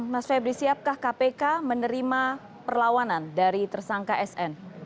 mas febri siapkah kpk menerima perlawanan dari tersangka sn